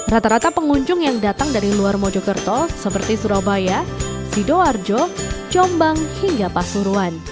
rata rata pengunjung yang datang dari luar mojokerto seperti surabaya sidoarjo jombang hingga pasuruan